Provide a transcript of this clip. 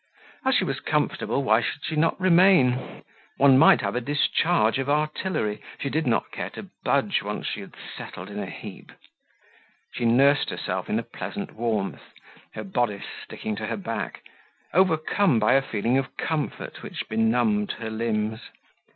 As she was comfortable, why should she not remain? One might have a discharge of artillery; she did not care to budge once she had settled in a heap. She nursed herself in a pleasant warmth, her bodice sticking to her back, overcome by a feeling of comfort which benumbed her limbs.